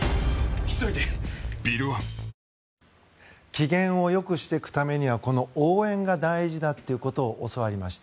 機嫌をよくしていくためにはこの応援が大事だっていうことを教わりました。